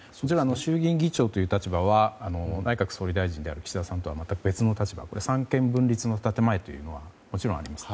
衆議院議長という立場は内閣総理大臣である岸田さんとは全く別の立場三権分立の建前というのはもちろん、あります。